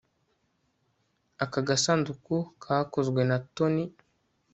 Aka gasanduku kakozwe na Tony